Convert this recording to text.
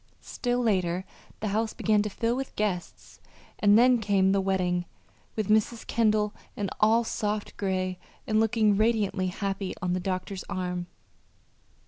Still later the house began to fill with guests and then came the wedding, with Mrs. Kendall all in soft gray and looking radiantly happy on the doctor's arm.